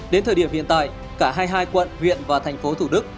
đến thời điểm hiện tại cả hai mươi hai quận huyện và thành phố thủ đức